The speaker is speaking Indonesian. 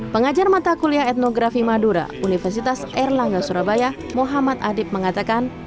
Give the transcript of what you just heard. pengajar mata kuliah etnografi madura universitas erlangga surabaya muhammad adib mengatakan